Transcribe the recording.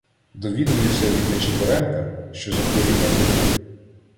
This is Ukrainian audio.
Довідуюся від Нечипоренка, що захворів на тиф.